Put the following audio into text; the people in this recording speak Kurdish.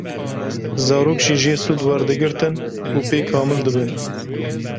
Zarok jî jê sûd werdigirtin û pê kamildibin.